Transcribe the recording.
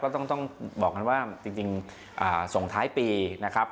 ต้องบอกกันว่าจริงส่งท้ายปีนะครับ